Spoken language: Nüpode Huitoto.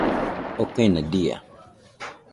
okaina dia